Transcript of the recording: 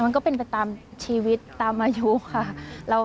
ใช่แล้วก็เป็นไปตามชีวิตตามอายุค่ะ